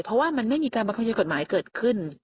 เพราะว่ามันไม่มีการบังคับใช้กฎหมายเกิดขึ้น